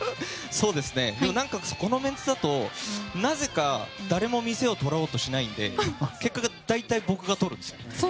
でも、このメンツだとなぜか誰も店を取ろうとしないので結果、大体僕が取るんです。